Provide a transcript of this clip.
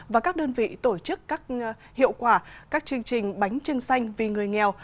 và các đơn vị tổ chức các hiệu quả các chương trình bánh trưng xanh vì người nghèo